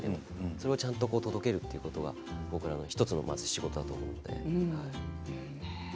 それをちゃんと届けるというのは僕らのまず１つの仕事だと思ってるので。